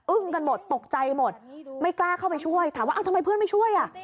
กันหมดตกใจหมดไม่กล้าเข้าไปช่วยถามว่าเอ้าทำไมเพื่อนไม่ช่วยอ่ะ